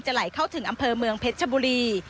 ไหลเข้าถึงอำเภอเมืองเพชรชบุรี